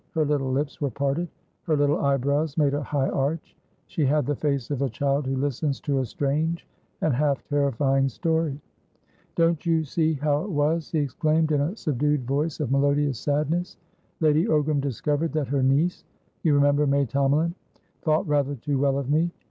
Her little lips were parted, her little eyebrows made a high arch; she had the face of a child who listens to a strange and half terrifying story. "Don't you see how it was?" he exclaimed, in a subdued voice of melodious sadness. "Lady Ogram discovered that her nieceyou remember May Tomalin? thought rather too well of me.